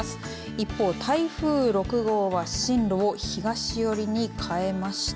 一方、台風６号は進路を東寄りに変えました。